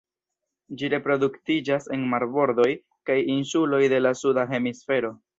Ĝi reproduktiĝas en marbordoj kaj insuloj de la suda hemisfero.